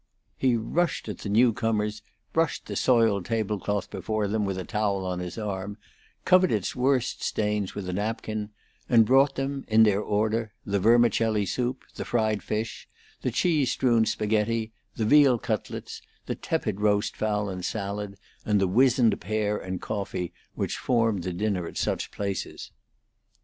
He rushed at the new comers, brushed the soiled table cloth before them with a towel on his arm, covered its worst stains with a napkin, and brought them, in their order, the vermicelli soup, the fried fish, the cheese strewn spaghetti, the veal cutlets, the tepid roast fowl and salad, and the wizened pear and coffee which form the dinner at such places.